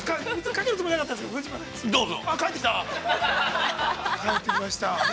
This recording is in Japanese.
◆帰ってきました。